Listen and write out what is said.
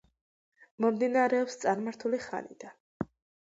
მომდინარეობს წარმართული ხანიდან.